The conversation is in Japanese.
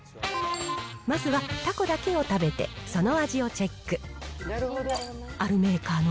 まずはたこだけを食べて、その味をチェック。